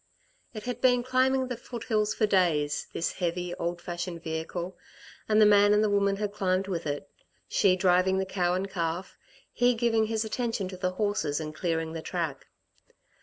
It had been climbing the foothills for days, this heavy, old fashioned vehicle, and the man and the woman had climbed with it, she driving the cow and calf, he giving his attention to the horses and clearing the track.